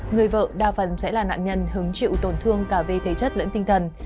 người vợ đa phần sẽ là nạn nhân hứng chịu tổn thương cả về thể chất lẫn tinh thần